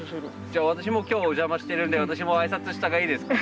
じゃあ私も今日お邪魔してるんで私も挨拶した方がいいですか？